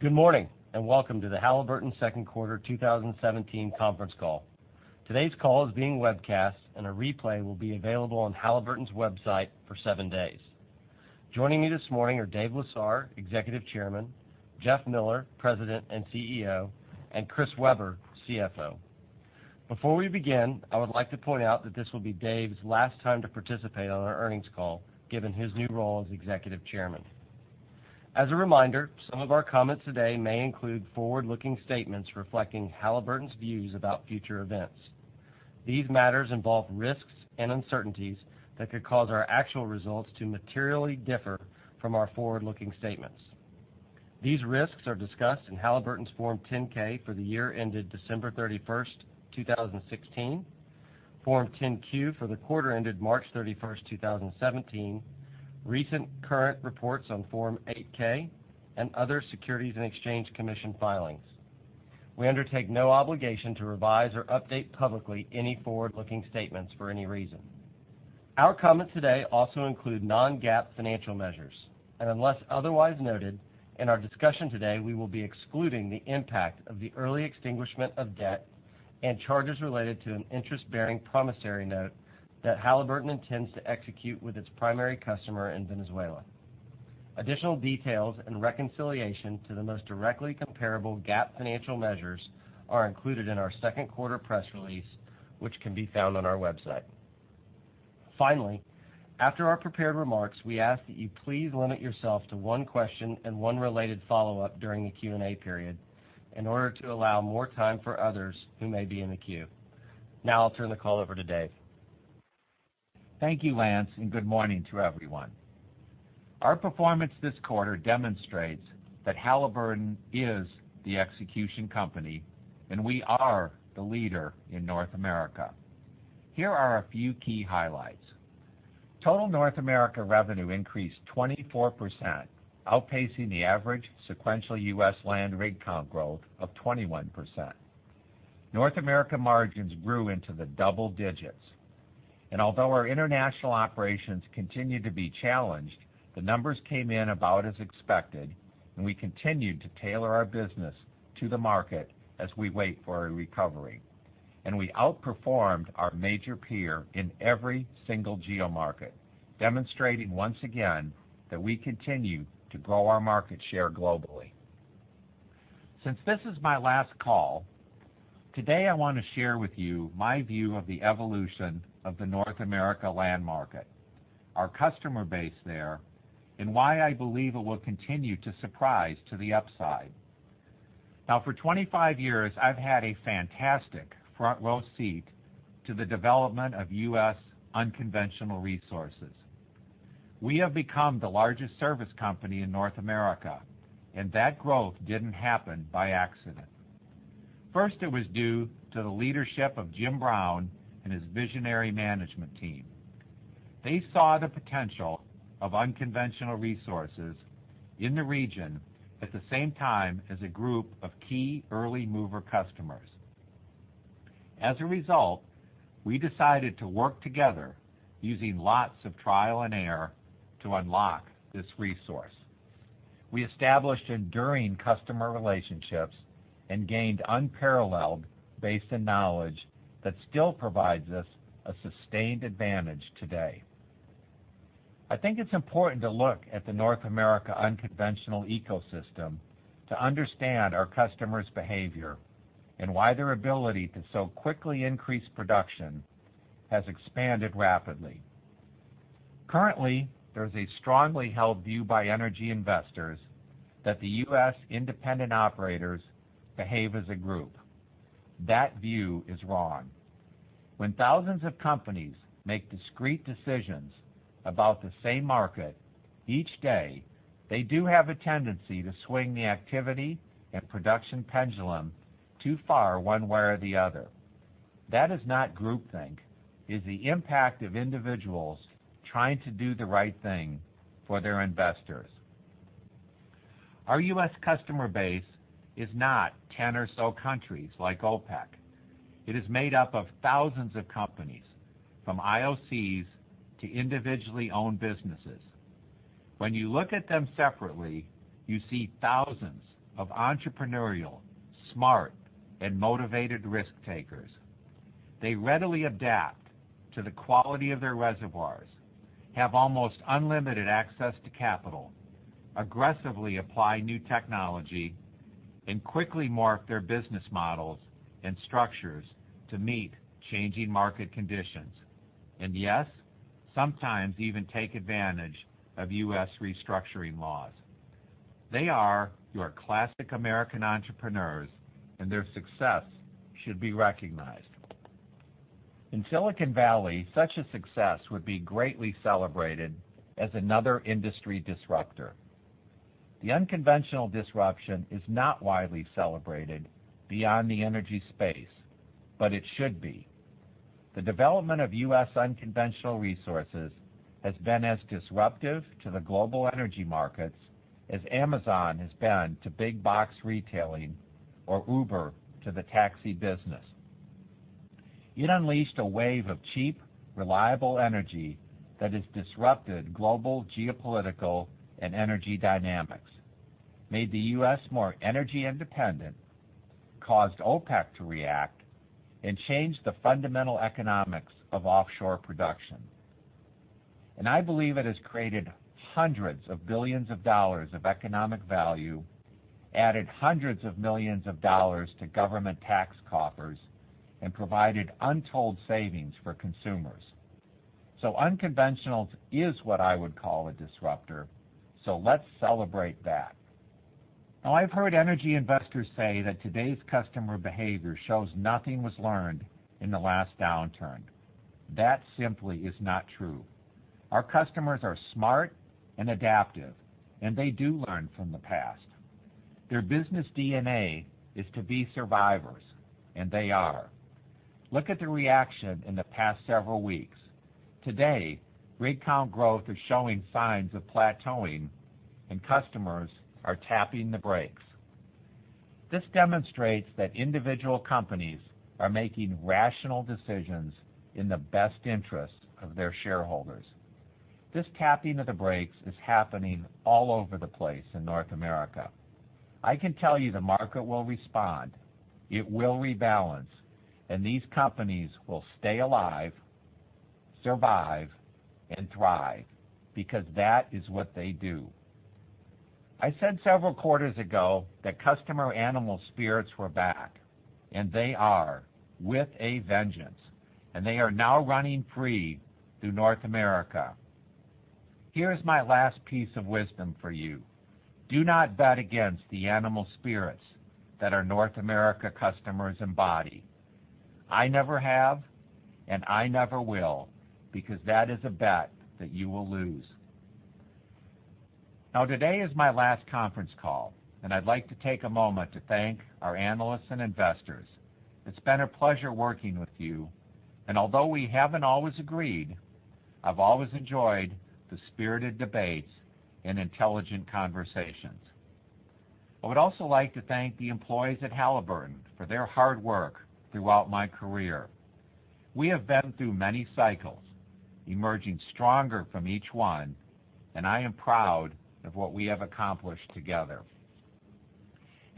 Good morning, welcome to the Halliburton second quarter 2017 conference call. Today's call is being webcast, a replay will be available on Halliburton's website for 7 days. Joining me this morning are Dave Lesar, Executive Chairman, Jeff Miller, President and CEO, Chris Weber, CFO. Before we begin, I would like to point out that this will be Dave's last time to participate on our earnings call, given his new role as Executive Chairman. As a reminder, some of our comments today may include forward-looking statements reflecting Halliburton's views about future events. These matters involve risks and uncertainties that could cause our actual results to materially differ from our forward-looking statements. These risks are discussed in Halliburton's Form 10-K for the year ended December 31st, 2016, Form 10-Q for the quarter ended March 31st, 2017, recent current reports on Form 8-K, other Securities and Exchange Commission filings. We undertake no obligation to revise or update publicly any forward-looking statements for any reason. Our comments today also include non-GAAP financial measures. Unless otherwise noted in our discussion today, we will be excluding the impact of the early extinguishment of debt and charges related to an interest-bearing promissory note that Halliburton intends to execute with its primary customer in Venezuela. Additional details and reconciliation to the most directly comparable GAAP financial measures are included in our second quarter press release, which can be found on our website. Finally, after our prepared remarks, we ask that you please limit yourself to one question and one related follow-up during the Q&A period in order to allow more time for others who may be in the queue. Now I'll turn the call over to Dave. Thank you, Lance, good morning to everyone. Our performance this quarter demonstrates that Halliburton is The Execution Company, we are the leader in North America. Here are a few key highlights. Total North America revenue increased 24%, outpacing the average sequential U.S. land rig count growth of 21%. North America margins grew into the double digits. Although our international operations continue to be challenged, the numbers came in about as expected, we continued to tailor our business to the market as we wait for a recovery. We outperformed our major peer in every single geomarket, demonstrating once again that we continue to grow our market share globally. Since this is my last call, today I want to share with you my view of the evolution of the North America land market, our customer base there, why I believe it will continue to surprise to the upside. For 25 years, I've had a fantastic front-row seat to the development of U.S. unconventional resources. We have become the largest service company in North America, that growth didn't happen by accident. It was due to the leadership of Jim Brown, his visionary management team. They saw the potential of unconventional resources in the region at the same time as a group of key early mover customers. We decided to work together using lots of trial and error to unlock this resource. We established enduring customer relationships, gained unparalleled base of knowledge that still provides us a sustained advantage today. I think it's important to look at the North America unconventional ecosystem to understand our customers' behavior, and why their ability to so quickly increase production has expanded rapidly. Currently, there's a strongly held view by energy investors that the U.S. independent operators behave as a group. That view is wrong. When thousands of companies make discrete decisions about the same market each day, they do have a tendency to swing the activity and production pendulum too far one way or the other. That is not groupthink. It's the impact of individuals trying to do the right thing for their investors. Our U.S. customer base is not 10 or so countries like OPEC. It is made up of thousands of companies, from IOCs to individually owned businesses. When you look at them separately, you see thousands of entrepreneurial, smart, and motivated risk-takers. They readily adapt to the quality of their reservoirs, have almost unlimited access to capital, aggressively apply new technology, and quickly morph their business models and structures to meet changing market conditions. Yes, sometimes even take advantage of U.S. restructuring laws. They are your classic American entrepreneurs, their success should be recognized. In Silicon Valley, such a success would be greatly celebrated as another industry disruptor. The unconventional disruption is not widely celebrated beyond the energy space, it should be. The development of U.S. unconventional resources has been as disruptive to the global energy markets as Amazon has been to big-box retailing or Uber to the taxi business. It unleashed a wave of cheap, reliable energy that has disrupted global geopolitical and energy dynamics, made the U.S. more energy independent, caused OPEC to react, and changed the fundamental economics of offshore production. I believe it has created hundreds of billions of dollars of economic value, added hundreds of millions of dollars to government tax coffers, and provided untold savings for consumers. Unconventional is what I would call a disruptor, let's celebrate that. I've heard energy investors say that today's customer behavior shows nothing was learned in the last downturn. That simply is not true. Our customers are smart and adaptive, they do learn from the past. Their business DNA is to be survivors, they are. Look at the reaction in the past several weeks. Today, rig count growth is showing signs of plateauing and customers are tapping the brakes. This demonstrates that individual companies are making rational decisions in the best interest of their shareholders. This tapping of the brakes is happening all over the place in North America. I can tell you the market will respond, it will rebalance, these companies will stay alive, survive, and thrive, because that is what they do. I said several quarters ago that customer animal spirits were back, they are with a vengeance, they are now running free through North America. Here is my last piece of wisdom for you. Do not bet against the animal spirits that our North America customers embody. I never have, I never will, because that is a bet that you will lose. Today is my last conference call, I'd like to take a moment to thank our analysts and investors. It's been a pleasure working with you, although we haven't always agreed, I've always enjoyed the spirited debates and intelligent conversations. I would also like to thank the employees at Halliburton for their hard work throughout my career. We have been through many cycles, emerging stronger from each one. I am proud of what we have accomplished together.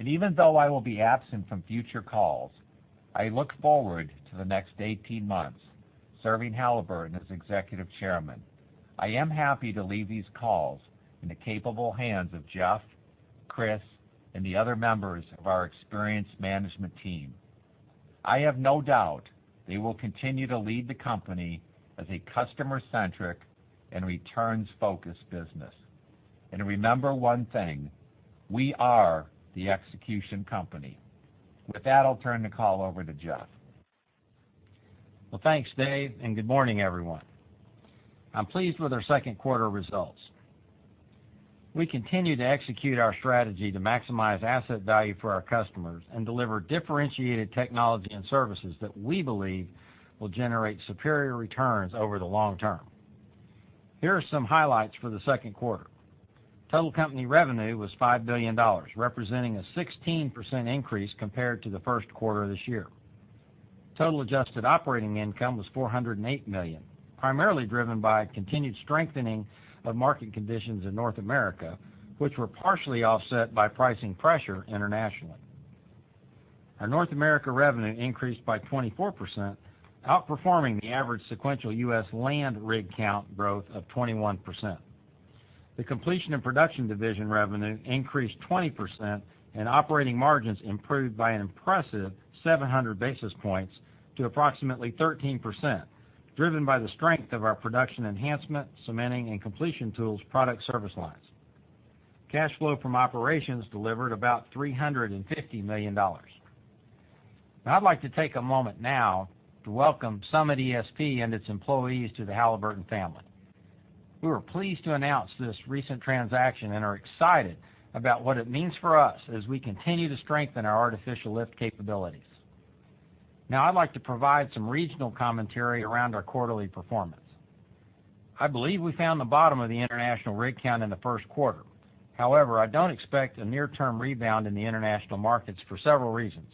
Even though I will be absent from future calls, I look forward to the next 18 months serving Halliburton as Executive Chairman. I am happy to leave these calls in the capable hands of Jeff, Chris, and the other members of our experienced management team. I have no doubt they will continue to lead the company as a customer-centric and returns-focused business. Remember one thing, we are the execution company. With that, I'll turn the call over to Jeff. Well, thanks, Dave. Good morning, everyone. I'm pleased with our second quarter results. We continue to execute our strategy to maximize asset value for our customers and deliver differentiated technology and services that we believe will generate superior returns over the long term. Here are some highlights for the second quarter. Total company revenue was $5 billion, representing a 16% increase compared to the first quarter of this year. Total adjusted operating income was $408 million, primarily driven by continued strengthening of market conditions in North America, which were partially offset by pricing pressure internationally. Our North America revenue increased by 24%, outperforming the average sequential U.S. land rig count growth of 21%. The Completion and Production division revenue increased 20% and operating margins improved by an impressive 700 basis points to approximately 13%, driven by the strength of our production enhancement, cementing, and completion tools product service lines. Cash flow from operations delivered about $350 million. I'd like to take a moment now to welcome Summit ESP and its employees to the Halliburton family. We were pleased to announce this recent transaction and are excited about what it means for us as we continue to strengthen our artificial lift capabilities. I'd like to provide some regional commentary around our quarterly performance. I believe I found the bottom of the international rig count in the first quarter. However, I don't expect a near-term rebound in the international markets for several reasons.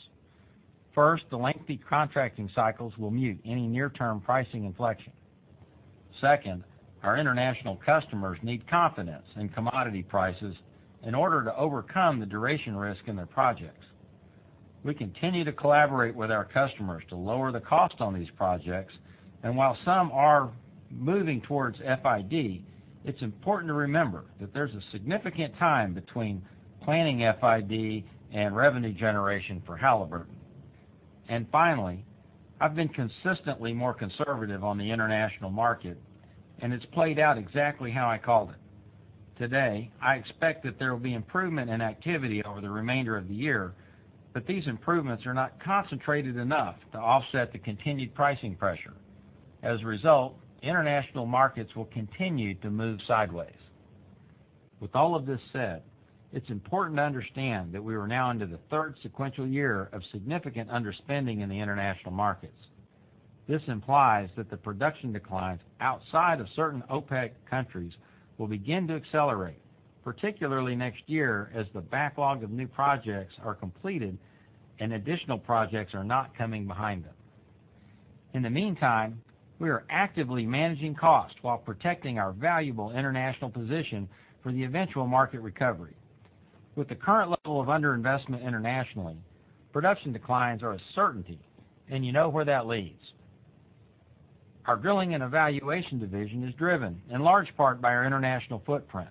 First, the lengthy contracting cycles will mute any near-term pricing inflection. Second, our international customers need confidence in commodity prices in order to overcome the duration risk in their projects. We continue to collaborate with our customers to lower the cost on these projects. While some are moving towards FID, it's important to remember that there's a significant time between planning FID and revenue generation for Halliburton. Finally, I've been consistently more conservative on the international market, and it's played out exactly how I called it. Today, I expect that there will be improvement in activity over the remainder of the year, but these improvements are not concentrated enough to offset the continued pricing pressure. As a result, international markets will continue to move sideways. With all of this said, it's important to understand that we are now into the third sequential year of significant underspending in the international markets. This implies that the production declines outside of certain OPEC countries will begin to accelerate. Particularly next year as the backlog of new projects are completed and additional projects are not coming behind them. In the meantime, we are actively managing costs while protecting our valuable international position for the eventual market recovery. With the current level of under-investment internationally, production declines are a certainty, and you know where that leads. Our Drilling and Evaluation division is driven in large part by our international footprint.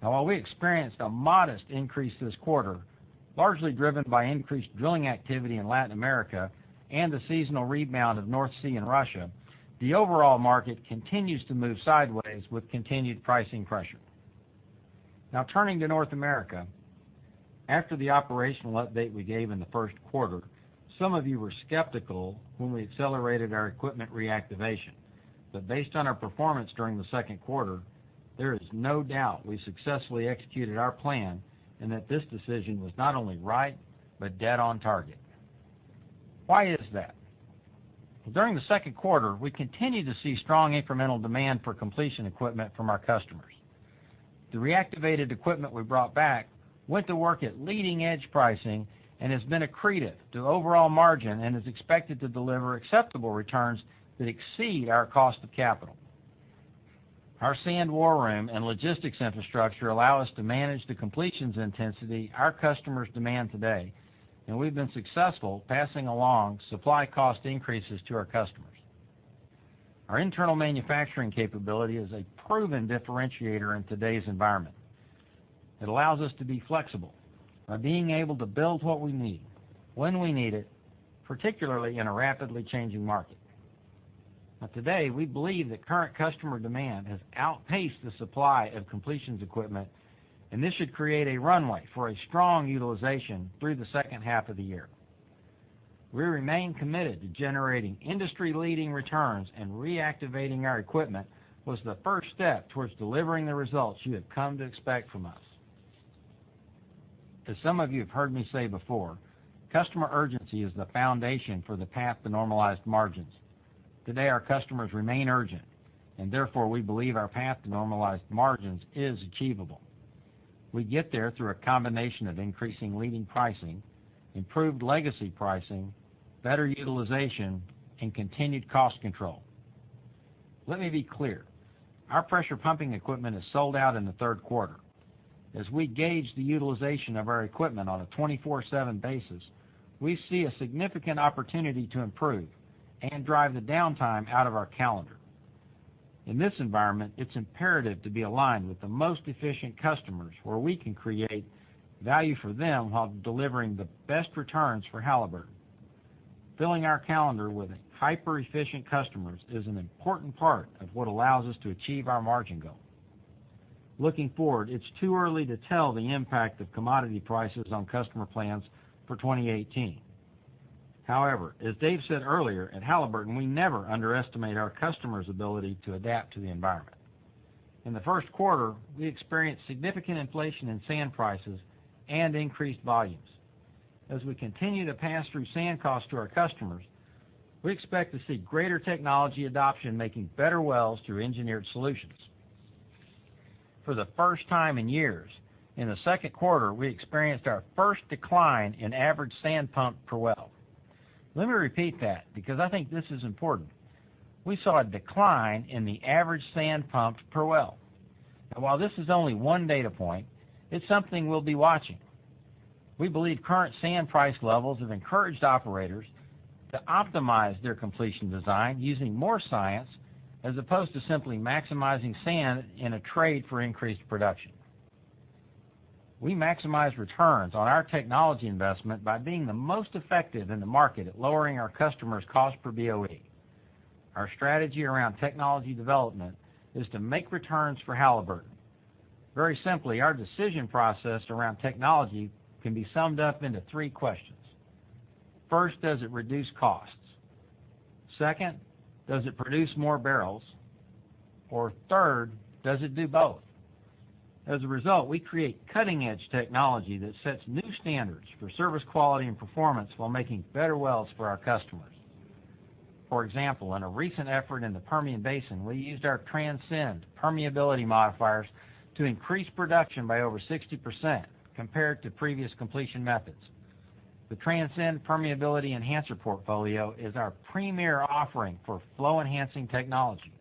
While we experienced a modest increase this quarter, largely driven by increased drilling activity in Latin America and the seasonal rebound of North Sea and Russia, the overall market continues to move sideways with continued pricing pressure. Turning to North America. After the operational update we gave in the first quarter, some of you were skeptical when we accelerated our equipment reactivation. Based on our performance during the second quarter, there is no doubt we successfully executed our plan and that this decision was not only right, but dead on target. Why is that? During the second quarter, we continued to see strong incremental demand for completion equipment from our customers. The reactivated equipment we brought back went to work at leading edge pricing and has been accretive to overall margin and is expected to deliver acceptable returns that exceed our cost of capital. Our sand war room and logistics infrastructure allow us to manage the completions intensity our customers demand today, and we've been successful passing along supply cost increases to our customers. Our internal manufacturing capability is a proven differentiator in today's environment. It allows us to be flexible by being able to build what we need, when we need it, particularly in a rapidly changing market. Today, we believe that current customer demand has outpaced the supply of completions equipment, and this should create a runway for a strong utilization through the second half of the year. We remain committed to generating industry-leading returns, and reactivating our equipment was the first step towards delivering the results you have come to expect from us. As some of you have heard me say before, customer urgency is the foundation for the path to normalized margins. Today, our customers remain urgent, and therefore, we believe our path to normalized margins is achievable. We get there through a combination of increasing leading pricing, improved legacy pricing, better utilization, and continued cost control. Let me be clear. Our pressure pumping equipment is sold out in the third quarter. As we gauge the utilization of our equipment on a twenty-four/seven basis, we see a significant opportunity to improve and drive the downtime out of our calendar. In this environment, it's imperative to be aligned with the most efficient customers where we can create value for them while delivering the best returns for Halliburton. Filling our calendar with hyper-efficient customers is an important part of what allows us to achieve our margin goal. Looking forward, it's too early to tell the impact of commodity prices on customer plans for 2018. However, as Dave said earlier, at Halliburton, we never underestimate our customers' ability to adapt to the environment. In the first quarter, we experienced significant inflation in sand prices and increased volumes. As we continue to pass through sand costs to our customers, we expect to see greater technology adoption making better wells through engineered solutions. For the first time in years, in the second quarter, we experienced our first decline in average sand pumped per well. Let me repeat that because I think this is important. We saw a decline in the average sand pumped per well. While this is only one data point, it's something we'll be watching. We believe current sand price levels have encouraged operators to optimize their completion design using more science as opposed to simply maximizing sand in a trade for increased production. We maximize returns on our technology investment by being the most effective in the market at lowering our customers' cost per BOE. Our strategy around technology development is to make returns for Halliburton. Very simply, our decision process around technology can be summed up into three questions. First, does it reduce costs? Second, does it produce more barrels? Third, does it do both? As a result, we create cutting-edge technology that sets new standards for service quality and performance while making better wells for our customers. For example, in a recent effort in the Permian Basin, we used our Transcend permeability modifiers to increase production by over 60% compared to previous completion methods. The Transcend permeability enhancer portfolio is our premier offering for flow-enhancing technology.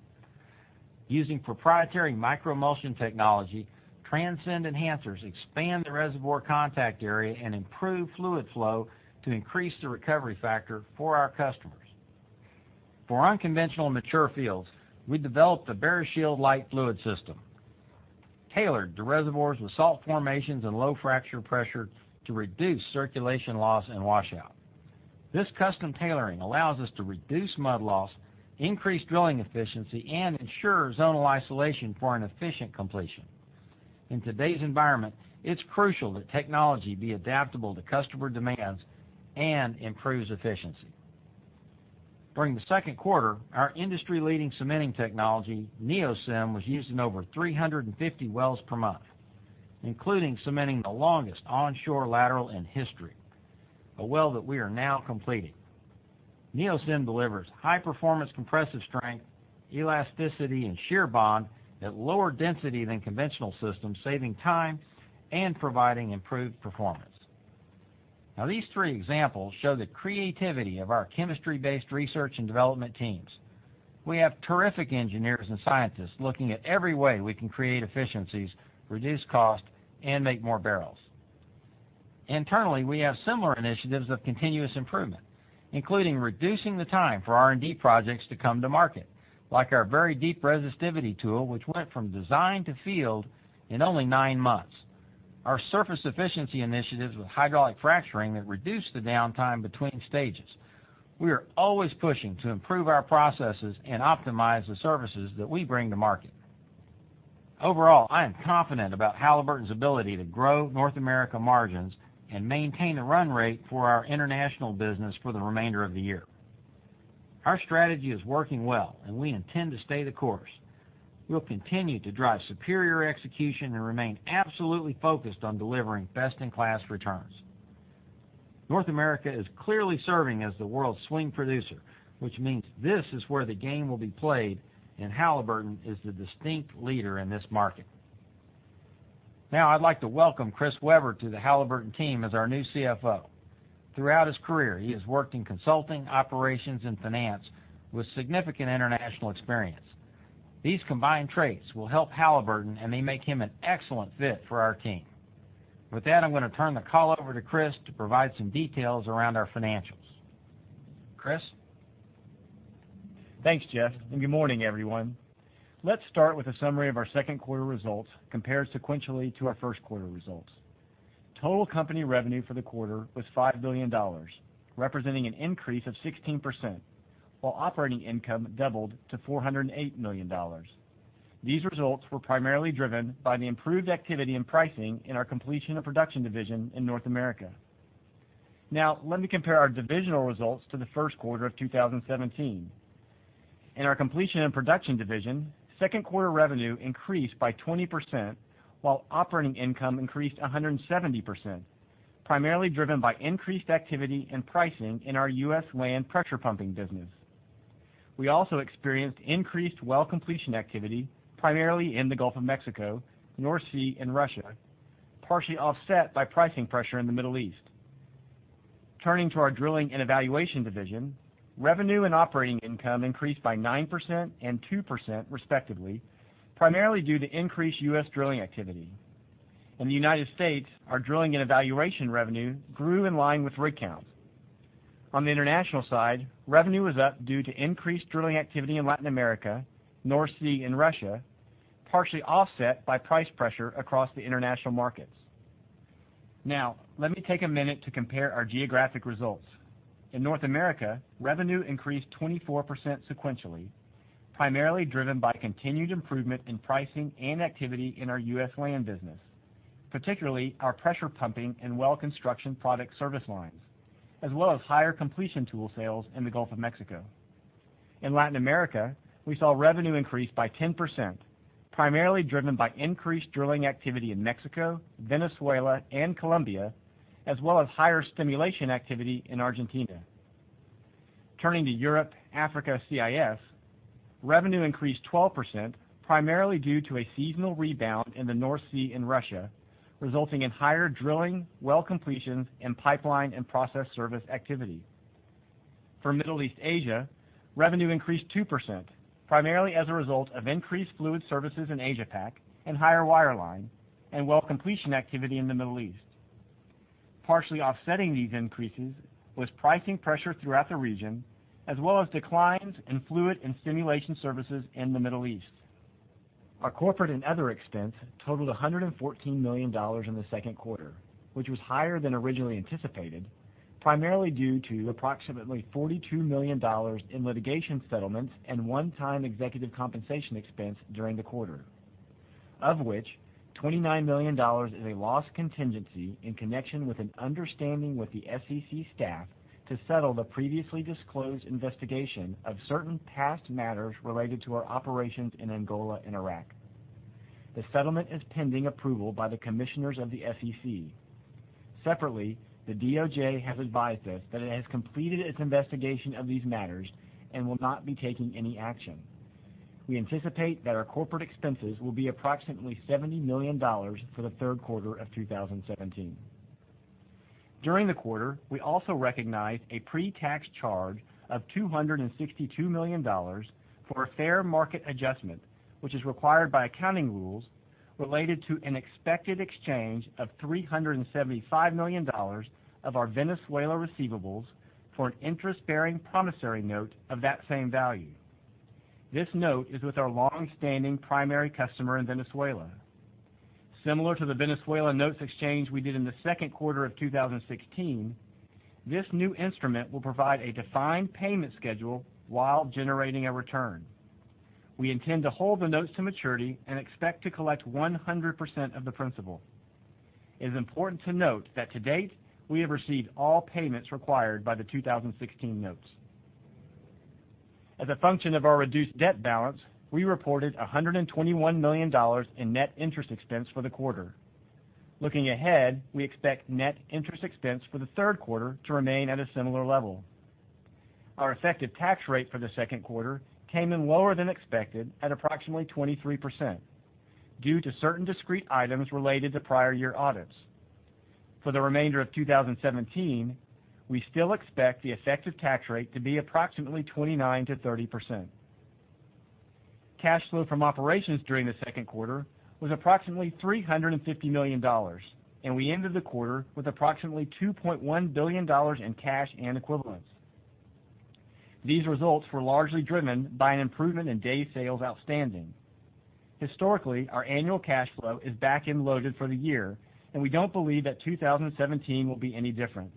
Using proprietary microemulsion technology, Transcend enhancers expand the reservoir contact area and improve fluid flow to increase the recovery factor for our customers. For unconventional mature fields, we developed the BaraShield light fluid system, tailored to reservoirs with salt formations and low fracture pressure to reduce circulation loss and washout. This custom tailoring allows us to reduce mud loss, increase drilling efficiency, and ensure zonal isolation for an efficient completion. In today's environment, it's crucial that technology be adaptable to customer demands and improves efficiency. During the second quarter, our industry-leading cementing technology, NeoCem, was used in over 350 wells per month, including cementing the longest onshore lateral in history, a well that we are now completing. NeoCem delivers high-performance compressive strength, elasticity, and shear bond at lower density than conventional systems, saving time and providing improved performance. These three examples show the creativity of our chemistry-based research and development teams. We have terrific engineers and scientists looking at every way we can create efficiencies, reduce cost, and make more barrels. Internally, we have similar initiatives of continuous improvement, including reducing the time for R&D projects to come to market, like our very deep resistivity tool, which went from design to field in only nine months. Our surface efficiency initiatives with hydraulic fracturing that reduce the downtime between stages. We are always pushing to improve our processes and optimize the services that we bring to market. Overall, I am confident about Halliburton's ability to grow North America margins and maintain the run rate for our international business for the remainder of the year. Our strategy is working well, and we intend to stay the course. We'll continue to drive superior execution and remain absolutely focused on delivering best-in-class returns. North America is clearly serving as the world's swing producer, which means this is where the game will be played, and Halliburton is the distinct leader in this market. I'd like to welcome Chris Weber to the Halliburton team as our new CFO. Throughout his career, he has worked in consulting, operations, and finance with significant international experience. These combined traits will help Halliburton, and they make him an excellent fit for our team. With that, I'm going to turn the call over to Chris to provide some details around our financials. Chris? Thanks, Jeff, good morning, everyone. Let's start with a summary of our second quarter results compared sequentially to our first quarter results. Total company revenue for the quarter was $5 billion, representing an increase of 16%, while operating income doubled to $408 million. These results were primarily driven by the improved activity and pricing in our Completion and Production division in North America. Now let me compare our divisional results to the first quarter of 2017. In our Completion and Production division, second quarter revenue increased by 20%, while operating income increased 170%, primarily driven by increased activity and pricing in our U.S. land pressure pumping business. We also experienced increased well completion activity, primarily in the Gulf of Mexico, North Sea, and Russia, partially offset by pricing pressure in the Middle East. Turning to our Drilling and Evaluation division, revenue and operating income increased by 9% and 2% respectively, primarily due to increased U.S. drilling activity. In the United States, our Drilling and Evaluation revenue grew in line with rig count. On the international side, revenue was up due to increased drilling activity in Latin America, North Sea, and Russia, partially offset by price pressure across the international markets. Now, let me take a minute to compare our geographic results. In North America, revenue increased 24% sequentially, primarily driven by continued improvement in pricing and activity in our U.S. land business, particularly our pressure pumping and well construction product service lines, as well as higher completion tool sales in the Gulf of Mexico. In Latin America, we saw revenue increase by 10%, primarily driven by increased drilling activity in Mexico, Venezuela, and Colombia, as well as higher stimulation activity in Argentina. Turning to Europe, Africa, CIS, revenue increased 12%, primarily due to a seasonal rebound in the North Sea and Russia, resulting in higher drilling, well completions, and pipeline and process service activity. For Middle East/Asia, revenue increased 2%, primarily as a result of increased fluid services in Asia Pac and higher wireline and well completion activity in the Middle East. Partially offsetting these increases was pricing pressure throughout the region, as well as declines in fluid and stimulation services in the Middle East. Our corporate and other expense totaled $114 million in the second quarter, which was higher than originally anticipated, primarily due to approximately $42 million in litigation settlements and one-time executive compensation expense during the quarter, of which $29 million is a loss contingency in connection with an understanding with the SEC staff to settle the previously disclosed investigation of certain past matters related to our operations in Angola and Iraq. The settlement is pending approval by the commissioners of the SEC. Separately, the DOJ has advised us that it has completed its investigation of these matters and will not be taking any action. We anticipate that our corporate expenses will be approximately $70 million for the third quarter of 2017. During the quarter, we also recognized a pre-tax charge of $262 million for a fair market adjustment, which is required by accounting rules related to an expected exchange of $375 million of our Venezuela receivables for an interest-bearing promissory note of that same value. This note is with our long-standing primary customer in Venezuela. Similar to the Venezuela notes exchange we did in the second quarter of 2016, this new instrument will provide a defined payment schedule while generating a return. We intend to hold the notes to maturity and expect to collect 100% of the principal. It is important to note that to date, we have received all payments required by the 2016 notes. As a function of our reduced debt balance, we reported $121 million in net interest expense for the quarter. Looking ahead, we expect net interest expense for the third quarter to remain at a similar level. Our effective tax rate for the second quarter came in lower than expected at approximately 23% due to certain discrete items related to prior year audits. For the remainder of 2017, we still expect the effective tax rate to be approximately 29%-30%. Cash flow from operations during the second quarter was approximately $350 million, and we ended the quarter with approximately $2.1 billion in cash and equivalents. These results were largely driven by an improvement in days sales outstanding. Historically, our annual cash flow is back-end loaded for the year, and we don't believe that 2017 will be any different.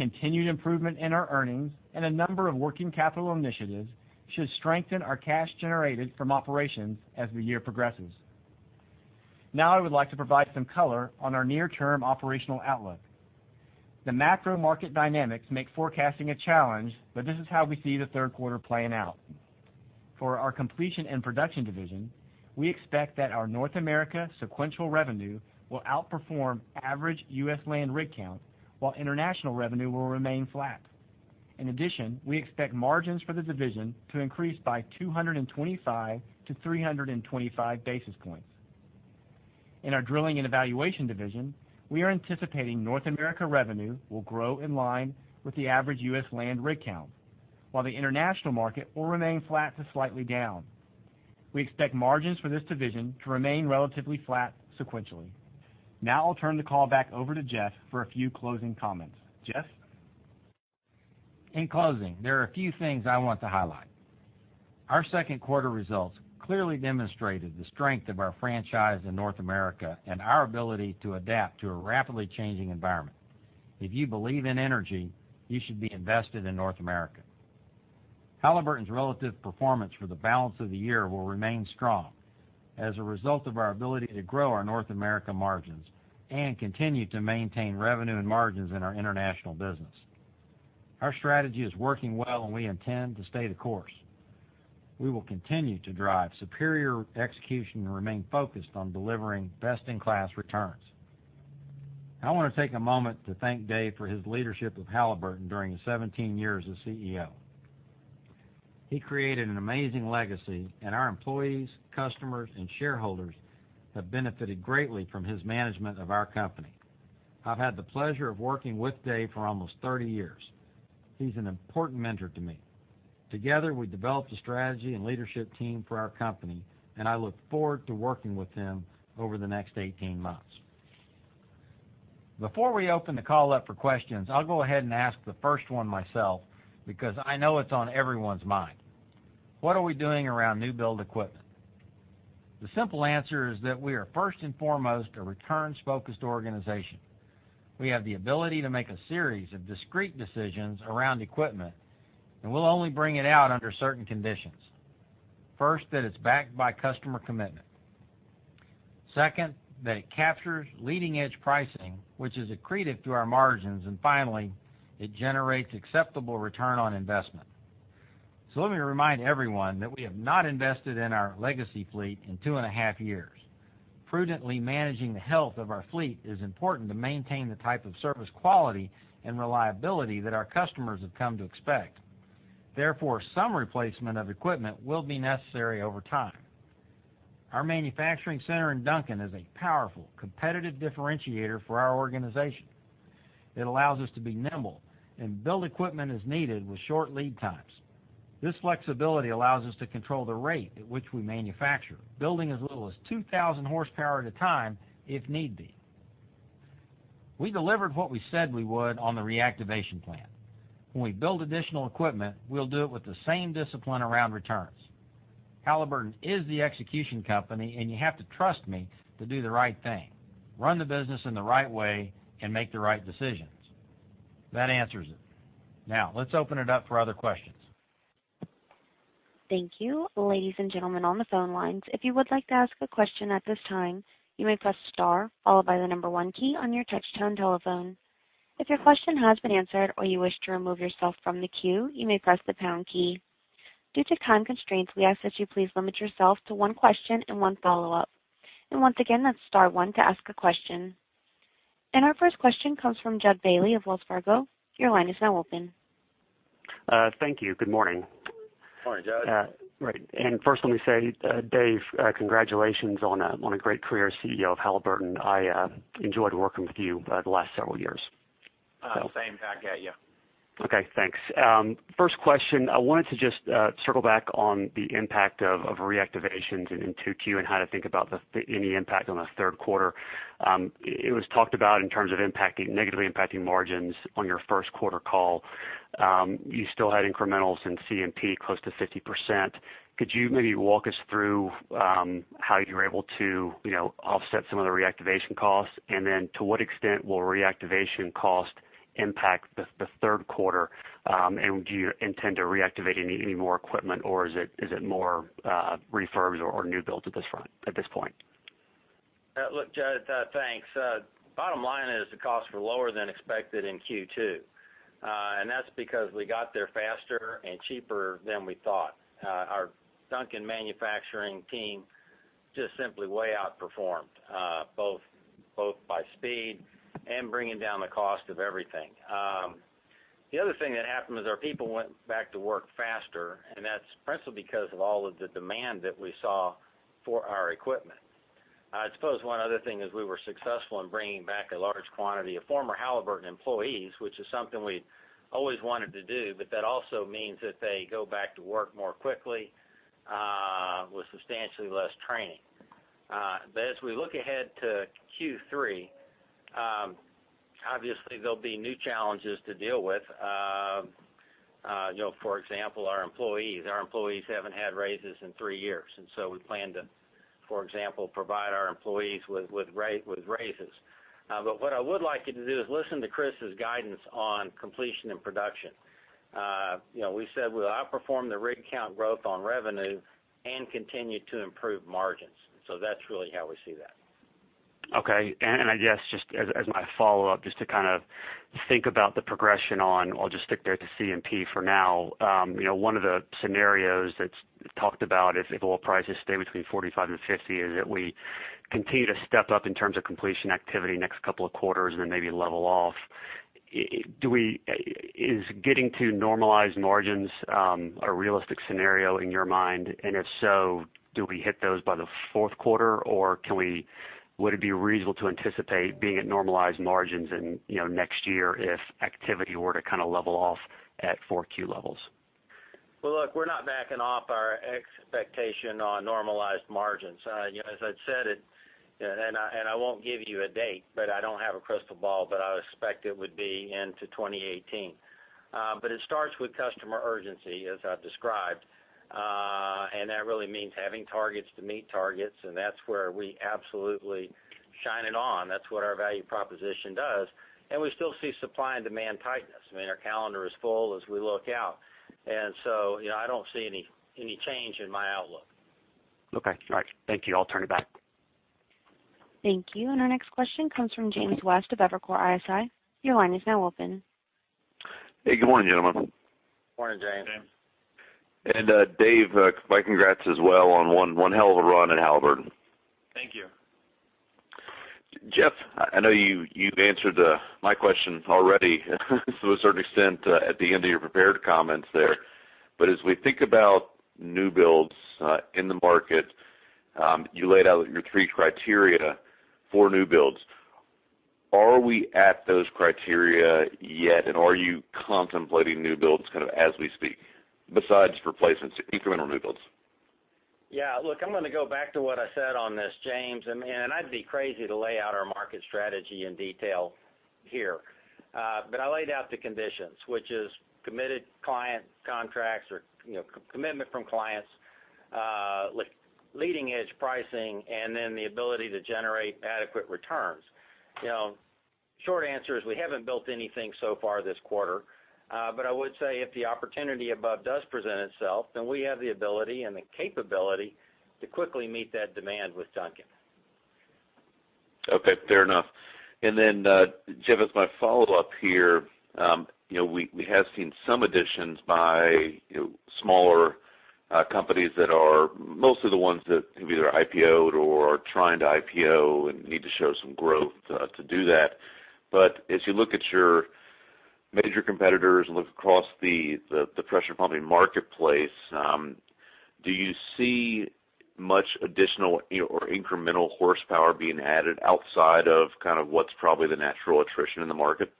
Continued improvement in our earnings and a number of working capital initiatives should strengthen our cash generated from operations as the year progresses. Now I would like to provide some color on our near-term operational outlook. The macro market dynamics make forecasting a challenge. This is how we see the third quarter playing out. For our Completion and Production division, we expect that our North America sequential revenue will outperform average U.S. land rig count, while international revenue will remain flat. In addition, we expect margins for the division to increase by 225-325 basis points. In our Drilling and Evaluation division, we are anticipating North America revenue will grow in line with the average U.S. land rig count, while the international market will remain flat to slightly down. We expect margins for this division to remain relatively flat sequentially. Now I'll turn the call back over to Jeff for a few closing comments. Jeff? In closing, there are a few things I want to highlight. Our second quarter results clearly demonstrated the strength of our franchise in North America and our ability to adapt to a rapidly changing environment. If you believe in energy, you should be invested in North America. Halliburton's relative performance for the balance of the year will remain strong as a result of our ability to grow our North America margins and continue to maintain revenue and margins in our international business. Our strategy is working well. We intend to stay the course. We will continue to drive superior execution and remain focused on delivering best-in-class returns. I want to take a moment to thank Dave for his leadership of Halliburton during his 17 years as CEO. He created an amazing legacy. Our employees, customers, and shareholders have benefited greatly from his management of our company. I've had the pleasure of working with Dave for almost 30 years. He's an important mentor to me. Together, we developed a strategy and leadership team for our company. I look forward to working with him over the next 18 months. Before we open the call up for questions, I'll go ahead and ask the first one myself because I know it's on everyone's mind. What are we doing around new build equipment? The simple answer is that we are first and foremost a returns-focused organization. We have the ability to make a series of discrete decisions around equipment. We'll only bring it out under certain conditions. First, that it's backed by customer commitment. Second, that it captures leading edge pricing, which is accretive to our margins. Finally, it generates acceptable return on investment. Let me remind everyone that we have not invested in our legacy fleet in two and a half years. Prudently managing the health of our fleet is important to maintain the type of service quality and reliability that our customers have come to expect. Therefore, some replacement of equipment will be necessary over time. Our manufacturing center in Duncan is a powerful competitive differentiator for our organization. It allows us to be nimble and build equipment as needed with short lead times. This flexibility allows us to control the rate at which we manufacture, building as little as 2,000 horsepower at a time if need be. We delivered what we said we would on the reactivation plan. When we build additional equipment, we'll do it with the same discipline around returns. Halliburton is the execution company. You have to trust me to do the right thing, run the business in the right way, and make the right decisions. That answers it. Now, let's open it up for other questions. Thank you. Ladies and gentlemen on the phone lines, if you would like to ask a question at this time, you may press star, followed by the number 1 key on your touchtone telephone. If your question has been answered or you wish to remove yourself from the queue, you may press the pound key. Due to time constraints, we ask that you please limit yourself to one question and one follow-up. Once again, that's star 1 to ask a question. Our first question comes from Jud Bailey of Wells Fargo. Your line is now open. Thank you. Good morning. Good morning, Jud. Right. First let me say, Dave, congratulations on a great career as CEO of Halliburton. I enjoyed working with you the last several years. Same back at you. Okay, thanks. First question, I wanted to just circle back on the impact of reactivations in 2Q and how to think about any impact on the third quarter. It was talked about in terms of negatively impacting margins on your first quarter call. You still had incrementals in C&P close to 50%. Could you maybe walk us through how you were able to offset some of the reactivation costs? Then to what extent will reactivation cost impact the third quarter? Do you intend to reactivate any more equipment, or is it more refurbs or new builds at this point? Look, Jud, thanks. Bottom line is the costs were lower than expected in Q2, and that's because we got there faster and cheaper than we thought. Our Duncan manufacturing team just simply way outperformed, both by speed and bringing down the cost of everything. The other thing that happened was our people went back to work faster, and that's principally because of all of the demand that we saw for our equipment. I suppose one other thing is we were successful in bringing back a large quantity of former Halliburton employees, which is something we always wanted to do, but that also means that they go back to work more quickly with substantially less training. As we look ahead to Q3, obviously there'll be new challenges to deal with. For example, our employees. Our employees haven't had raises in three years, we plan to, for example, provide our employees with raises. What I would like you to do is listen to Chris's guidance on Completion and Production. We said we'll outperform the rig count growth on revenue and continue to improve margins. That's really how we see that. Okay. I guess just as my follow-up, just to kind of think about the progression on, I'll just stick there to C&P for now. One of the scenarios that's talked about if oil prices stay between $45 and $50, is that we continue to step up in terms of completion activity next couple of quarters and then maybe level off. Is getting to normalized margins a realistic scenario in your mind? If so, do we hit those by the fourth quarter, or would it be reasonable to anticipate being at normalized margins in next year if activity were to kind of level off at 4Q levels? Well, look, we're not backing off our expectation on normalized margins. As I'd said, I won't give you a date, I don't have a crystal ball, I would expect it would be into 2018. It starts with customer urgency, as I've described. That really means having targets to meet targets, that's where we absolutely shine it on. That's what our value proposition does. We still see supply and demand tightness. I mean, our calendar is full as we look out. I don't see any change in my outlook. Okay. All right. Thank you. I'll turn it back. Thank you. Our next question comes from James West of Evercore ISI. Your line is now open. Hey, good morning, gentlemen. Morning, James. Morning, James. Dave, my congrats as well on one hell of a run at Halliburton. Thank you. Jeff, I know you've answered my question already to a certain extent at the end of your prepared comments there. As we think about new builds in the market, you laid out your three criteria for new builds. Are we at those criteria yet? Are you contemplating new builds kind of as we speak, besides replacements, incremental new builds? Yeah. Look, I'm going to go back to what I said on this, James, and I'd be crazy to lay out our market strategy in detail here. I laid out the conditions, which is committed client contracts or commitment from clients, leading edge pricing, and then the ability to generate adequate returns. Short answer is we haven't built anything so far this quarter. I would say if the opportunity above does present itself, then we have the ability and the capability to quickly meet that demand with Duncan. Okay, fair enough. Jeff, as my follow-up here, we have seen some additions by smaller companies that are mostly the ones that have either IPO'd or are trying to IPO and need to show some growth to do that. As you look at your major competitors and look across the pressure pumping marketplace, do you see much additional or incremental horsepower being added outside of kind of what's probably the natural attrition in the market?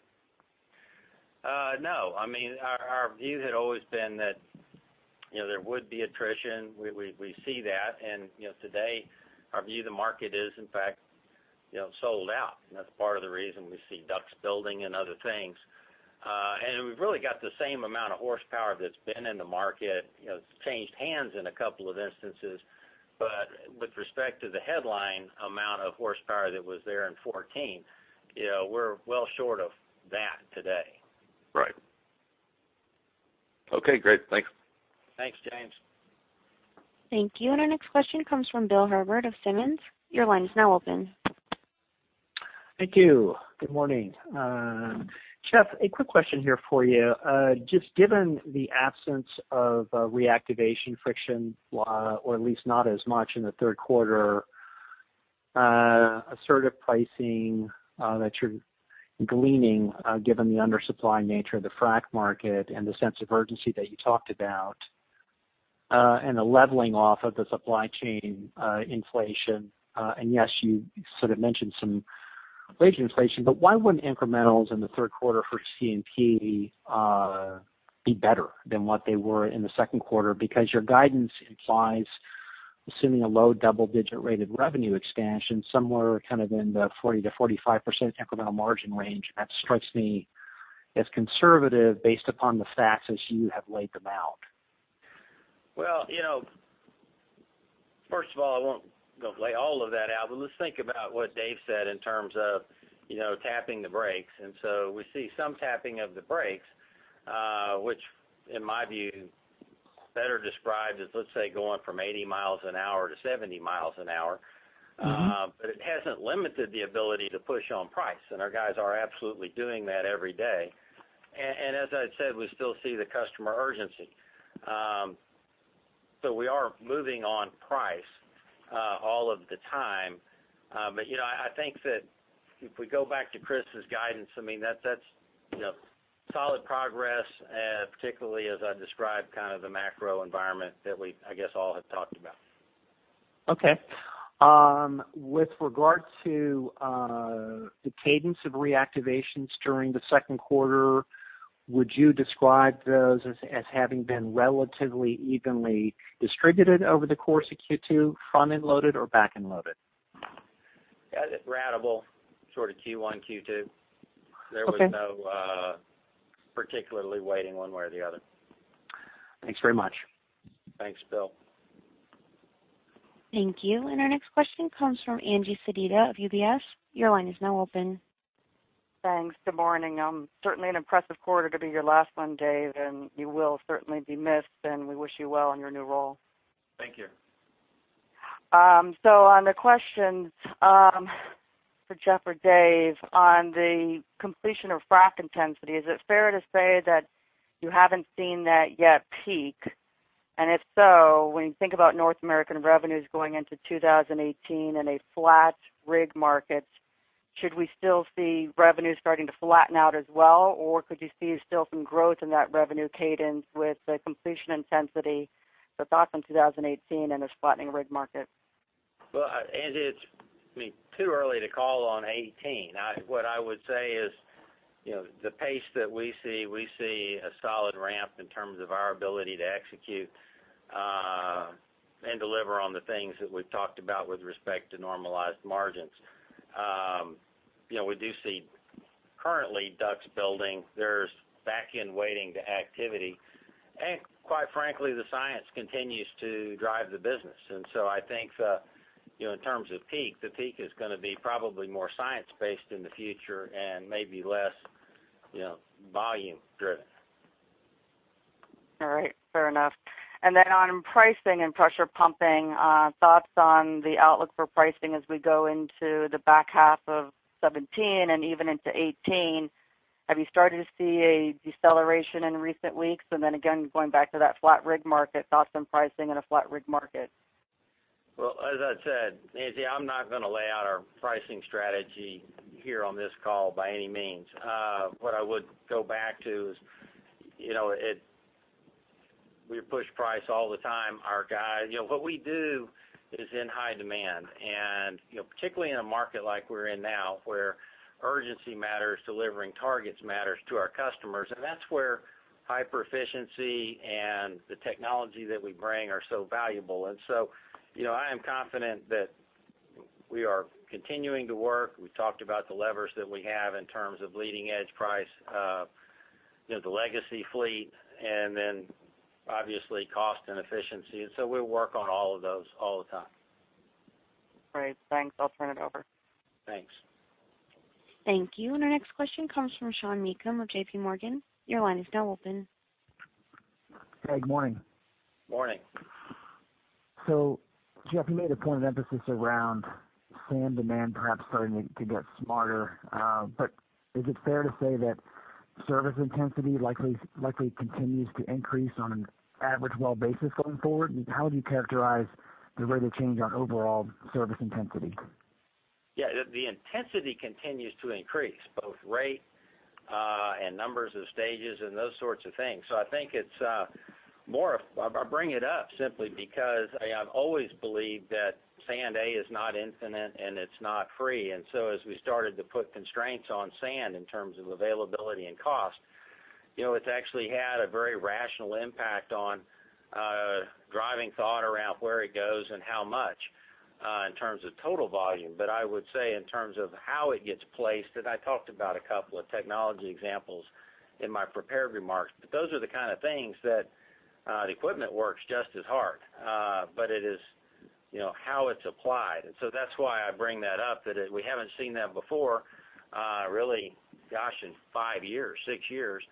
No. I mean, our view had always been that there would be attrition. We see that. Today our view of the market is, in fact, sold out. That's part of the reason we see DUCs building and other things. We've really got the same amount of horsepower that's been in the market. It's changed hands in a couple of instances, but with respect to the headline amount of horsepower that was there in 2014, we're well short of that today. Right. Okay, great. Thanks. Thanks, James. Thank you. Our next question comes from Bill Herbert of Simmons. Your line is now open. Thank you. Good morning. Jeff, a quick question here for you. Just given the absence of reactivation friction, or at least not as much in the third quarter, assertive pricing that you're gleaning, given the undersupply nature of the frack market and the sense of urgency that you talked about, and the leveling off of the supply chain inflation, and yes, you sort of mentioned some wage inflation, why wouldn't incrementals in the third quarter for C&P be better than what they were in the second quarter? Your guidance implies assuming a low double-digit rate of revenue expansion somewhere kind of in the 40%-45% incremental margin range. That strikes me as conservative based upon the facts as you have laid them out. Well, first of all, I won't lay all of that out, let's think about what Dave said in terms of tapping the brakes. We see some tapping of the brakes, which in my view Better described as, let's say, going from 80 miles an hour to 70 miles an hour. It hasn't limited the ability to push on price, and our guys are absolutely doing that every day. As I said, we still see the customer urgency. We are moving on price all of the time. I think that if we go back to Chris's guidance, that's solid progress, particularly as I described kind of the macro environment that we, I guess, all have talked about. Okay. With regard to the cadence of reactivations during the second quarter, would you describe those as having been relatively evenly distributed over the course of Q2, front-end loaded or back-end loaded? Yeah. Just ratable sort of Q1, Q2. Okay. There was no particularly weighting one way or the other. Thanks very much. Thanks, Bill. Thank you. Our next question comes from Angie Sedita of UBS. Your line is now open. Thanks. Good morning. Certainly an impressive quarter to be your last one, Dave, and you will certainly be missed, and we wish you well on your new role. Thank you. On the questions for Jeff or Dave on the completion of frac intensity, is it fair to say that you haven't seen that yet peak? If so, when you think about North American revenues going into 2018 in a flat rig market, should we still see revenues starting to flatten out as well? Could you see still some growth in that revenue cadence with the completion intensity for thoughts on 2018 in a flattening rig market? Well, Angie, it's too early to call on 2018. What I would say is, the pace that we see, we see a solid ramp in terms of our ability to execute, and deliver on the things that we've talked about with respect to normalized margins. We do see currently DUCs building. There's back-end weighting to activity. Quite frankly, the science continues to drive the business. I think, in terms of peak, the peak is going to be probably more science-based in the future and maybe less volume driven. All right. Fair enough. On pricing and pressure pumping, thoughts on the outlook for pricing as we go into the back half of 2017 and even into 2018. Have you started to see a deceleration in recent weeks? Again, going back to that flat rig market, thoughts on pricing in a flat rig market. Well, as I said, Angie, I'm not going to lay out our pricing strategy here on this call by any means. What I would go back to is, we push price all the time. What we do is in high demand and particularly in a market like we're in now, where urgency matters, delivering targets matters to our customers, and that's where hyper-efficiency and the technology that we bring are so valuable. I am confident that we are continuing to work. We talked about the levers that we have in terms of leading edge price, the legacy fleet, and then obviously cost and efficiency. We work on all of those all the time. Great. Thanks. I'll turn it over. Thanks. Thank you. Our next question comes from Sean Meakim of J.P. Morgan. Your line is now open. Hey, good morning. Morning. Jeff, you made a point of emphasis around sand demand perhaps starting to get smarter. Is it fair to say that service intensity likely continues to increase on an average well basis going forward? How would you characterize the rate of change on overall service intensity? Yeah. The intensity continues to increase, both rate, and numbers of stages and those sorts of things. I think I bring it up simply because I have always believed that sand, A, is not infinite and it's not free. As we started to put constraints on sand in terms of availability and cost, it's actually had a very rational impact on driving thought around where it goes and how much, in terms of total volume. I would say in terms of how it gets placed, and I talked about a couple of technology examples in my prepared remarks, those are the kind of things that the equipment works just as hard. It is how it's applied. That's why I bring that up, that we haven't seen that before, really, gosh, in five years, six years.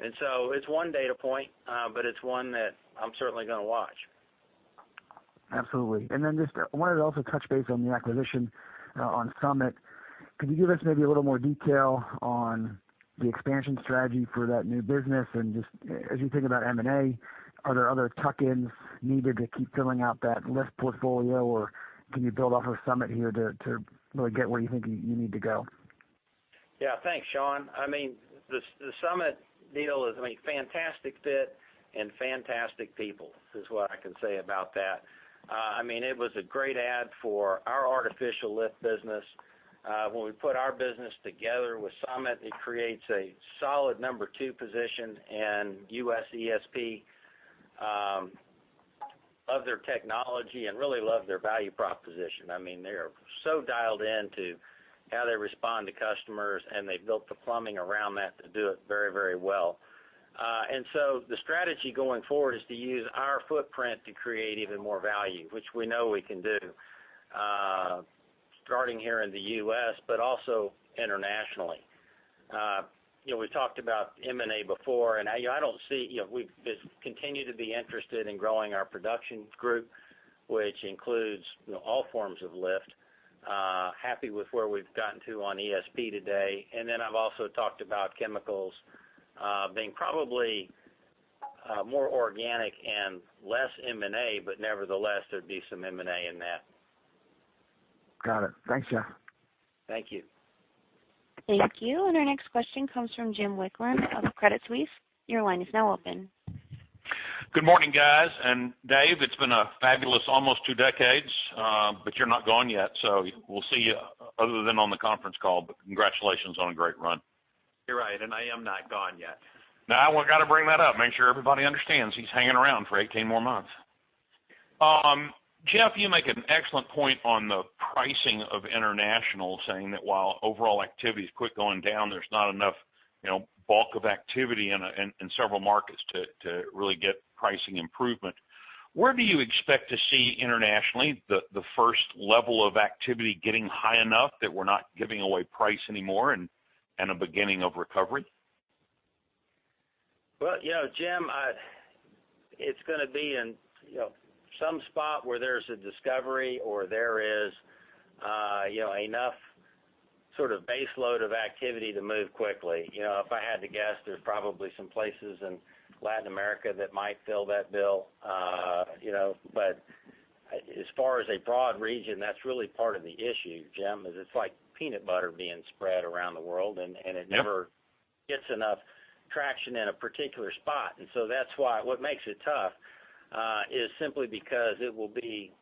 It's one data point, but it's one that I'm certainly going to watch. Absolutely. Just wanted to also touch base on the acquisition, on Summit. Could you give us maybe a little more detail on the expansion strategy for that new business? Just as you think about M&A, are there other tuck-ins needed to keep filling out that lift portfolio, or can you build off of Summit here to really get where you think you need to go? Yeah. Thanks, Sean. The Summit deal is a fantastic fit and fantastic people is what I can say about that. It was a great add for our artificial lift business. When we put our business together with Summit, it creates a solid number 2 position in U.S. ESP. Love their technology and really love their value proposition. They are so dialed into how they respond to customers, and they've built the plumbing around that to do it very, very well. The strategy going forward is to use our footprint to create even more value, which we know we can do. Regarding here in the U.S., but also internationally. We talked about M&A before, and we've continued to be interested in growing our production group, which includes all forms of lift. Happy with where we've gotten to on ESP today. I've also talked about chemicals being probably more organic and less M&A, but nevertheless, there'd be some M&A in that. Got it. Thanks, Jeff. Thank you. Thank you. Our next question comes from Jim Wicklund of Credit Suisse. Your line is now open. Good morning, guys. Dave, it's been a fabulous almost two decades, but you're not gone yet, so we'll see you other than on the conference call. Congratulations on a great run. You're right, and I am not gone yet. No, I got to bring that up, make sure everybody understands he's hanging around for 18 more months. Jeff, you make an excellent point on the pricing of international, saying that while overall activity is quick going down, there's not enough bulk of activity in several markets to really get pricing improvement. Where do you expect to see internationally, the first level of activity getting high enough that we're not giving away price anymore and a beginning of recovery? Well, Jim, it's going to be in some spot where there's a discovery or there is enough sort of base load of activity to move quickly. If I had to guess, there's probably some places in Latin America that might fill that bill. As far as a broad region, that's really part of the issue, Jim, is it's like peanut butter being spread around the world, and it never. Yep gets enough traction in a particular spot. That's why what makes it tough is simply because it will be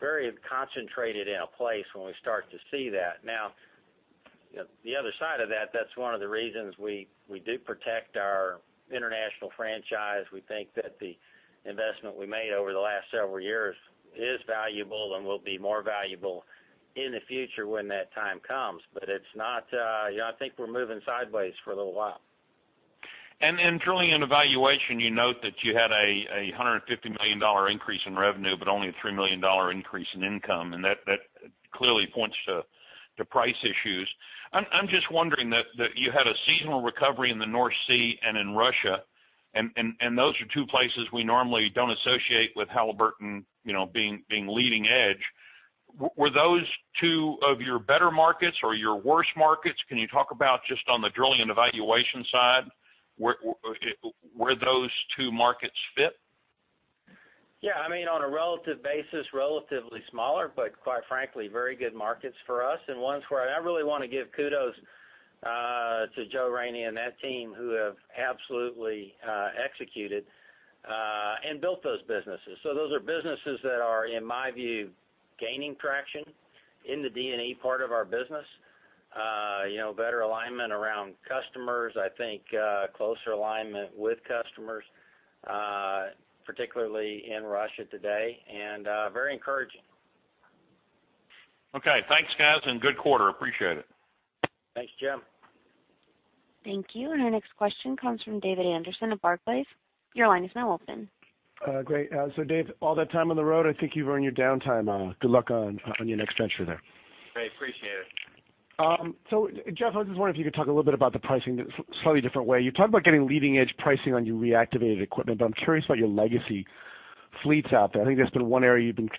very concentrated in a place when we start to see that. Now, the other side of that's one of the reasons we do protect our international franchise. We think that the investment we made over the last several years is valuable and will be more valuable in the future when that time comes. I think we're moving sideways for a little while. In Drilling and Evaluation, you note that you had a $150 million increase in revenue, but only a $3 million increase in income. That clearly points to price issues. I'm just wondering that you had a seasonal recovery in the North Sea and in Russia, and those are two places we normally don't associate with Halliburton being leading edge. Were those two of your better markets or your worst markets? Can you talk about just on the Drilling and Evaluation side, where those two markets fit? On a relative basis, relatively smaller, but quite frankly, very good markets for us, and ones where I really want to give kudos to Joe Rainey and that team who have absolutely executed and built those businesses. Those are businesses that are, in my view, gaining traction in the D&E part of our business. Better alignment around customers, I think closer alignment with customers, particularly in Russia today, and very encouraging. Thanks, guys, and good quarter. Appreciate it. Thanks, Jim. Thank you. Our next question comes from David Anderson of Barclays. Your line is now open. Great. Dave, all that time on the road, I think you've earned your downtime. Good luck on your next venture there. Hey, appreciate it. Jeff, I was just wondering if you could talk a little bit about the pricing slightly different way. You talked about getting leading-edge pricing on your reactivated equipment, but I'm curious about your legacy fleets out there. I think that's been one area you've been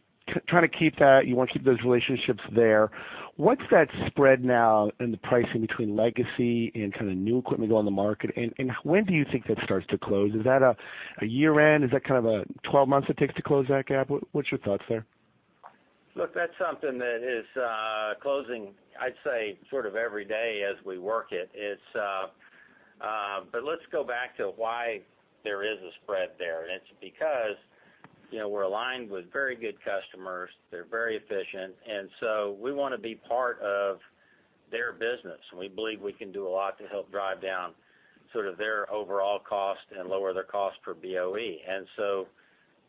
trying to keep that. You want to keep those relationships there. What's that spread now in the pricing between legacy and kind of new equipment on the market? When do you think that starts to close? Is that a year-end? Is that kind of a 12 months it takes to close that gap? What's your thoughts there? That's something that is closing, I'd say sort of every day as we work it. Let's go back to why there is a spread there, it's because we're aligned with very good customers. They're very efficient, we want to be part of their business, we believe we can do a lot to help drive down sort of their overall cost and lower their cost per BOE.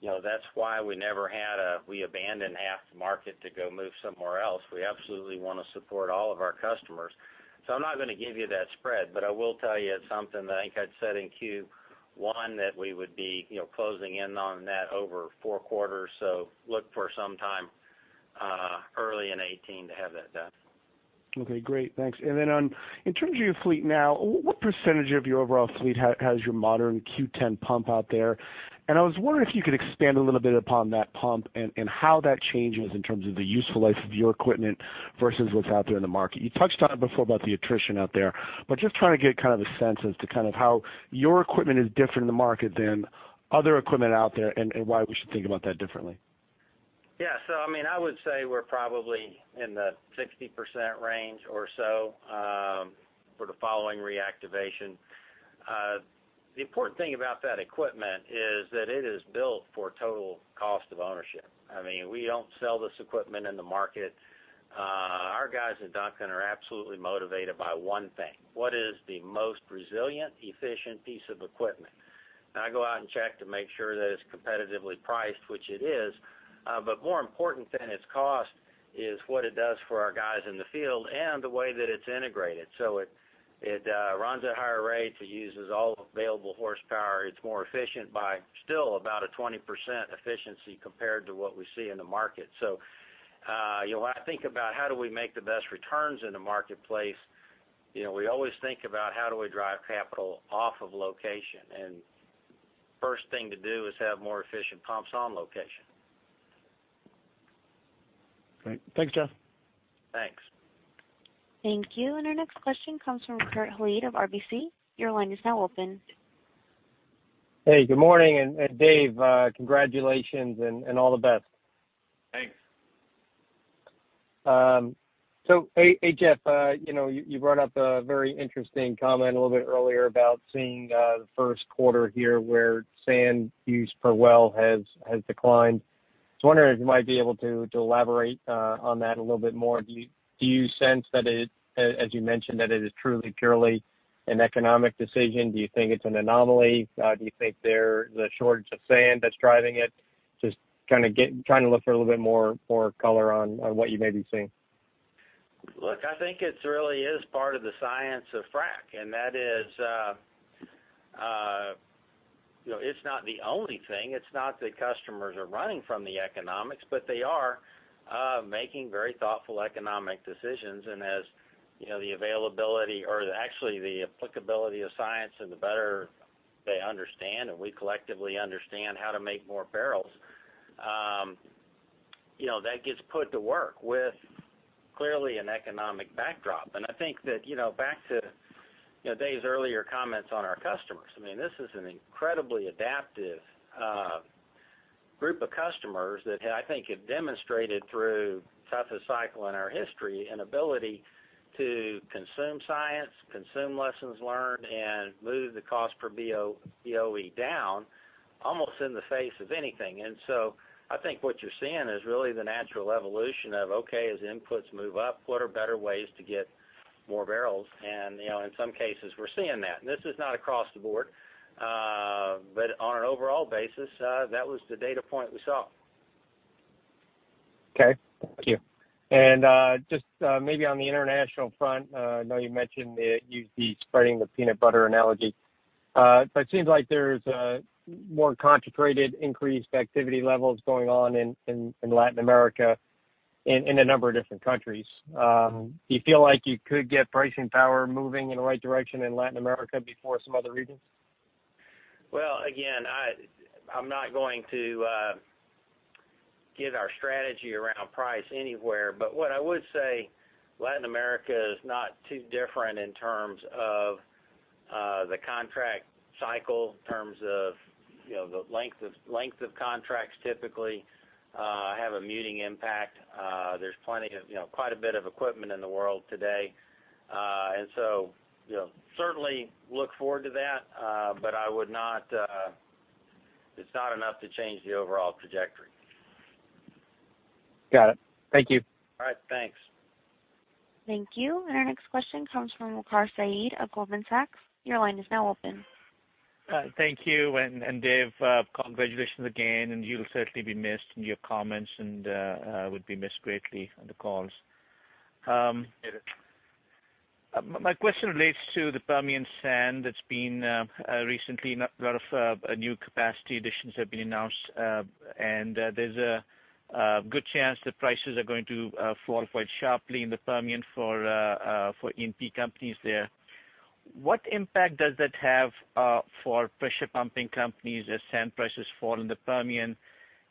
That's why we never had a, we abandon half the market to go move somewhere else. We absolutely want to support all of our customers. I'm not going to give you that spread, but I will tell you it's something that I think I'd said in Q1 that we would be closing in on that over four quarters. Look for some time early in 2018 to have that done. Okay, great. Thanks. In terms of your fleet now, what percentage of your overall fleet has your modern Q10 pump out there? I was wondering if you could expand a little bit upon that pump and how that changes in terms of the useful life of your equipment versus what's out there in the market. You touched on it before about the attrition out there, just trying to get kind of a sense as to kind of how your equipment is different in the market than other equipment out there, why we should think about that differently. Yeah. I would say we're probably in the 60% range or so for the following reactivation. The important thing about that equipment is that it is built for total cost of ownership. We don't sell this equipment in the market. Our guys at Duncan are absolutely motivated by one thing. What is the most resilient, efficient piece of equipment? I go out and check to make sure that it's competitively priced, which it is. More important than its cost is what it does for our guys in the field and the way that it's integrated. It runs at higher rates. It uses all available horsepower. It's more efficient by still about a 20% efficiency compared to what we see in the market. When I think about how do we make the best returns in the marketplace, we always think about how do we drive capital off of location, first thing to do is have more efficient pumps on location. Great. Thanks, Jeff. Thanks. Thank you. Our next question comes from Kurt Hallead of RBC. Your line is now open. Hey, good morning. Dave, congratulations and all the best. Thanks. Hey, Jeff, you brought up a very interesting comment a little bit earlier about seeing the first quarter here where sand use per well has declined. I was wondering if you might be able to elaborate on that a little bit more. Do you sense that it, as you mentioned, that it is truly, purely an economic decision? Do you think it's an anomaly? Do you think there is a shortage of sand that's driving it? Just trying to look for a little bit more color on what you may be seeing. Look, I think it really is part of the science of frack, that is it's not the only thing, it's not that customers are running from the economics, but they are making very thoughtful economic decisions. As the availability, or actually the applicability of science, and the better they understand, and we collectively understand how to make more barrels, that gets put to work with clearly an economic backdrop. I think that back to Dave's earlier comments on our customers, I mean, this is an incredibly adaptive group of customers that I think have demonstrated through the toughest cycle in our history, an ability to consume science, consume lessons learned, and move the cost per BOE down almost in the face of anything. I think what you're seeing is really the natural evolution of, okay, as inputs move up, what are better ways to get more barrels? In some cases, we're seeing that. This is not across the board, but on an overall basis, that was the data point we saw. Okay. Thank you. Just maybe on the international front, I know you mentioned that you'd be spreading the peanut butter analogy. It seems like there's a more concentrated increased activity levels going on in Latin America in a number of different countries. Do you feel like you could get pricing power moving in the right direction in Latin America before some other regions? Well, again, I'm not going to give our strategy around price anywhere, but what I would say, Latin America is not too different in terms of the contract cycle, in terms of the length of contracts typically have a muting impact. There's quite a bit of equipment in the world today. Certainly look forward to that. It's not enough to change the overall trajectory. Got it. Thank you. All right. Thanks. Thank you. Our next question comes from Waqar Syed of Goldman Sachs. Your line is now open. Thank you. Dave, congratulations again, and you'll certainly be missed, and your comments would be missed greatly on the calls. Hear that. My question relates to the Permian sand that's been recently, a lot of new capacity additions have been announced, there's a good chance that prices are going to fall quite sharply in the Permian for E&P companies there. What impact does that have for pressure pumping companies as sand prices fall in the Permian?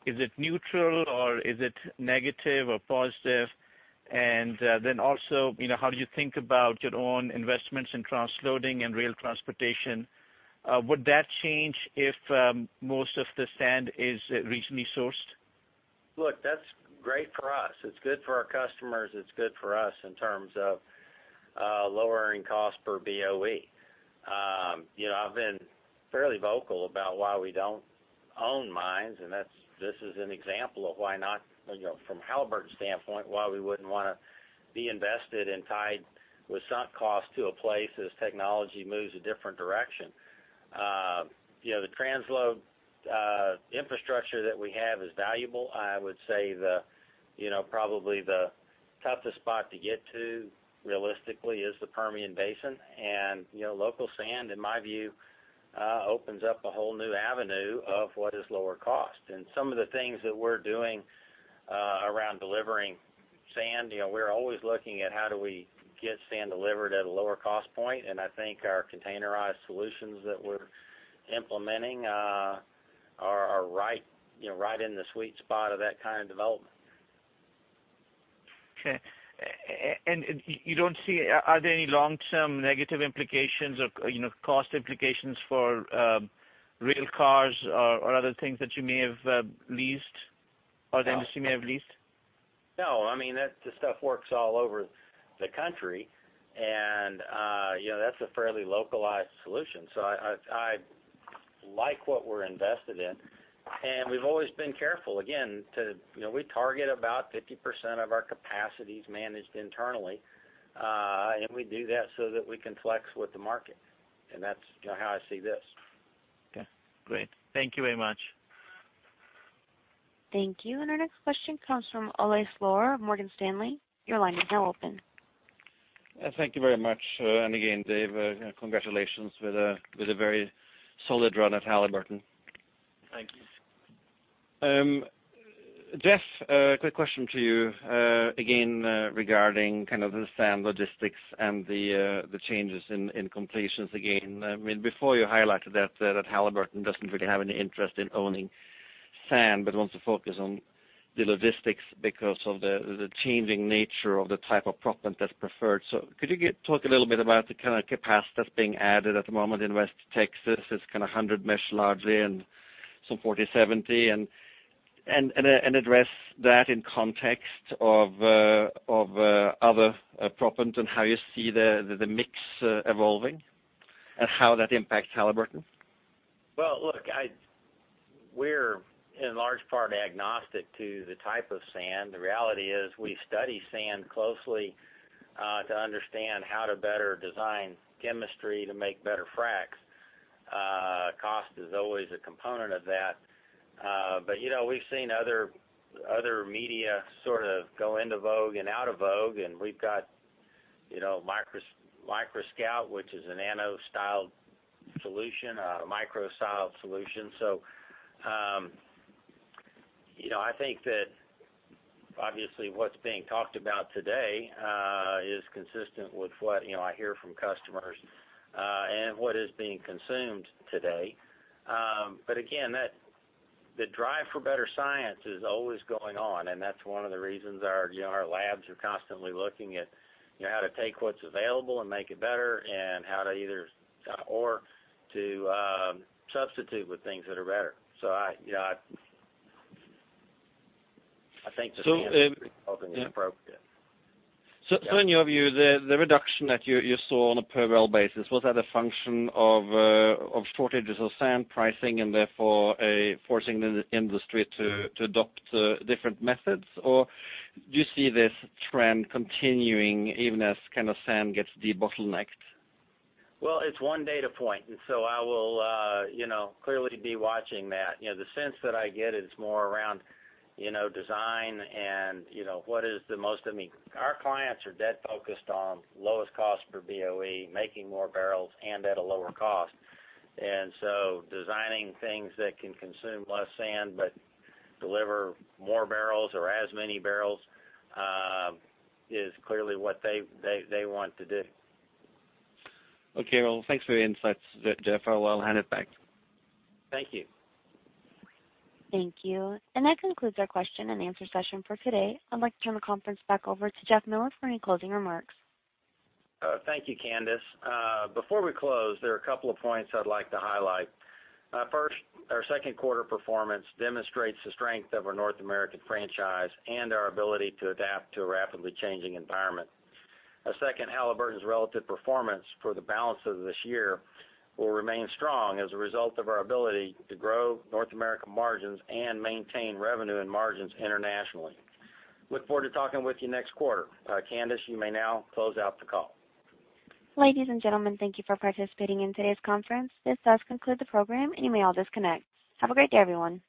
Is it neutral, or is it negative or positive? Also, how do you think about your own investments in transloading and rail transportation? Would that change if most of the sand is regionally sourced? Look, that's great for us. It's good for our customers, it's good for us in terms of lowering cost per BOE. I've been fairly vocal about why we don't own mines, this is an example of why not, from Halliburton's standpoint, why we wouldn't want to be invested and tied with sunk costs to a place as technology moves a different direction. The transload infrastructure that we have is valuable. I would say probably the toughest spot to get to realistically is the Permian Basin. Local sand, in my view, opens up a whole new avenue of what is lower cost. Some of the things that we're doing around delivering sand, we're always looking at how do we get sand delivered at a lower cost point, and I think our containerized solutions that we're implementing are right in the sweet spot of that kind of development. Okay. Are there any long-term negative implications or cost implications for rail cars or other things that you may have leased, or the industry may have leased? No. I mean, the stuff works all over the country, and that's a fairly localized solution. I like what we're invested in, and we've always been careful. Again, we target about 50% of our capacities managed internally. We do that so that we can flex with the market. That's how I see this. Okay, great. Thank you very much. Thank you. Our next question comes from Ole Slorer, Morgan Stanley. Your line is now open. Thank you very much. Again, Dave, congratulations with a very solid run at Halliburton. Thank you. Jeff, a quick question to you, again, regarding the sand logistics and the changes in completions again. Before you highlighted that Halliburton doesn't really have any interest in owning sand, but wants to focus on the logistics because of the changing nature of the type of proppant that's preferred. Could you talk a little bit about the kind of capacity that's being added at the moment in West Texas? It's kind of 100 mesh largely and some 40/70, and address that in context of other proppant and how you see the mix evolving and how that impacts Halliburton. Look, we're in large part agnostic to the type of sand. The reality is we study sand closely, to understand how to better design chemistry to make better fracs. Cost is always a component of that. We've seen other media sort of go into vogue and out of vogue, and we've got MicroScout, which is a nano-style solution, a micro-style solution. I think that obviously what's being talked about today is consistent with what I hear from customers, and what is being consumed today. Again, the drive for better science is always going on, and that's one of the reasons our labs are constantly looking at how to take what's available and make it better and how to or to substitute with things that are better. I think the sand is appropriate. In your view, the reduction that you saw on a per well basis, was that a function of shortages of sand pricing and therefore forcing the industry to adopt different methods? Do you see this trend continuing even as sand gets debottlenecked? Well, it's one data point. I will clearly be watching that. The sense that I get is more around design. Our clients are dead focused on lowest cost per BOE, making more barrels and at a lower cost. Designing things that can consume less sand but deliver more barrels or as many barrels, is clearly what they want to do. Okay. Well, thanks for your insights, Jeff. I will hand it back. Thank you. Thank you. That concludes our question and answer session for today. I'd like to turn the conference back over to Jeff Miller for any closing remarks. Thank you, Candice. Before we close, there are a couple of points I'd like to highlight. First, our second quarter performance demonstrates the strength of our North American franchise and our ability to adapt to a rapidly changing environment. Second, Halliburton's relative performance for the balance of this year will remain strong as a result of our ability to grow North American margins and maintain revenue and margins internationally. Look forward to talking with you next quarter. Candice, you may now close out the call. Ladies and gentlemen, thank you for participating in today's conference. This does conclude the program, and you may all disconnect. Have a great day, everyone.